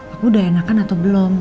aku udah enakan atau belum